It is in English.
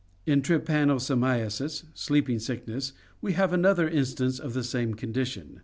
In trypanosomiasis (sleeping sickness) we have another instance of this same condition.